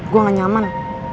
gue gak nyaman